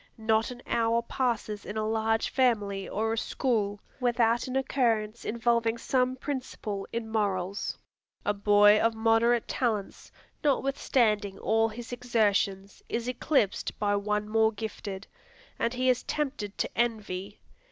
Not an hour passes in a large family or a school, without an occurrence involving some principle in morals. A boy of moderate talents, notwithstanding all his exertions, is eclipsed by one more gifted, and he is tempted to envy.